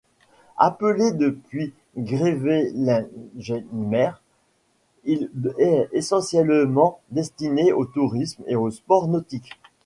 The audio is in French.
Appelé depuis Grevelingenmeer, il est essentiellement destiné au tourisme et aux sports nautiques.